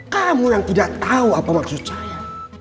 kamu yang tidak tahu apa maksud saya